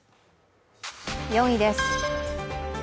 ４位です。